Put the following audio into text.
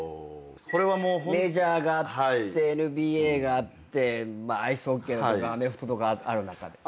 メジャーがあってＮＢＡがあってアイスホッケーとかアメフトとかある中で。